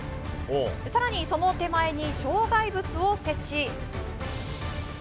更にその手前に障害物を設置。